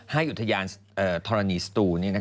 ให้อุทยานทรณีสตูนเนี่ย